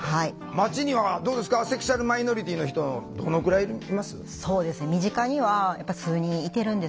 町にはどうですかセクシュアルマイノリティーの人どのくらいいます？